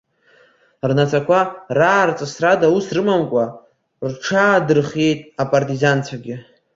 Рнацәақәа раарҵысрада ус рымамкәа, рҽаадырхиеит апартизанцәагьы.